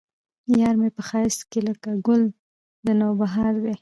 يار مې په ښايست کې لکه ګل د نوبهار دى